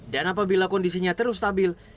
dan apabila kondisinya terus stabil